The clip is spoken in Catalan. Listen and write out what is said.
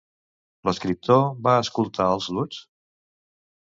L'escriptor va escoltar els Lutz?